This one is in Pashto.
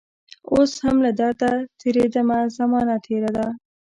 اوس هم له درده تیریدمه زمانه تیره ده